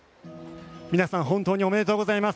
皆さん、本当におめでとうございます！